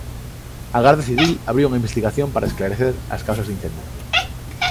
A Garda Civil abriu unha investigación para esclarecer as causas do incendio.